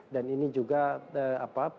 dan ini juga keterbelahan